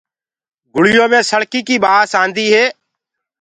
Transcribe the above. گُݪيو مي سݪڪيٚ ڪيٚ ٻآس آندي هي۔